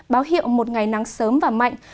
báo hiệu một ngày nắng sớm và mạnh